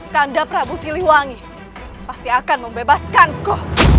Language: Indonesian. kanda prabu siliwangi pasti akan membebaskanku